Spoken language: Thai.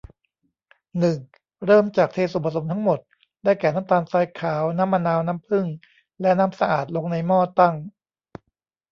หนึ่ง เริ่มจากเทส่วนผสมทั้งหมด ได้แก่ น้ำตาลทรายขาว น้ำมะนาว น้ำผึ้ง และน้ำสะอาด ลงในหม้อตั้ง